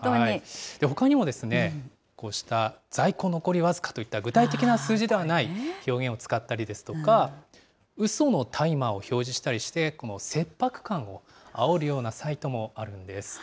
ほかにも、こうした、在庫残り僅かといった具体的な数字ではない表現を使ったりですとか、うそのタイマーを表示したりして、この切迫感をあおるようなサイトもあるんです。